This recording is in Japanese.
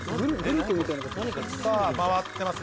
回ってます